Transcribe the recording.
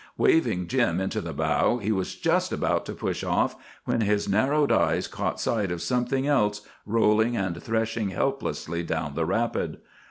Waving Jim into the bow, he was just about to push off when his narrowed eyes caught sight of something else rolling and threshing helplessly down the rapid.